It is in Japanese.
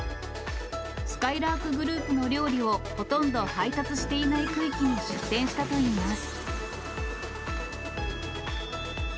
すかいらーくグループの料理を、ほとんど配達していない区域に出店したといいます。